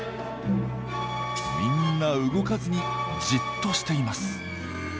みんな動かずにじっとしています。